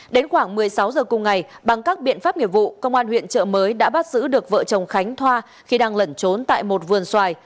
đến khoảng một mươi sáu h cùng ngày bằng các biện pháp nghiệp vụ công an huyện trợ mới đã bắt giữ được vợ chồng khánh thoa khi đang lẩn trốn tại một vườn xoài